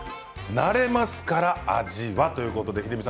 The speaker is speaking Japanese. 慣れますから味は！ということです。